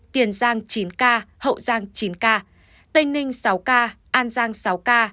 tiền giang chín ca hậu giang chín ca tây ninh sáu ca an giang sáu ca